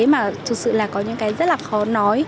mà thực sự là có những cái rất là khó nói